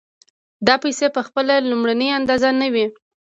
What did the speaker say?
دا پیسې په خپله لومړنۍ اندازه نه وي